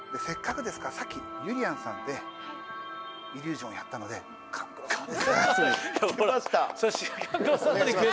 せっかくですからさっきゆりやんさんでイリュージョンやったので勘九郎さんで。